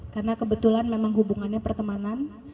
karena kebetulan memang hubungannya pertemanan